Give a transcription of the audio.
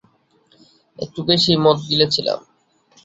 একটু বেশিই মদ গিলেছিলাম।